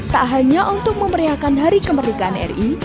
tak hanya untuk memeriahkan hari kemerdekaan ri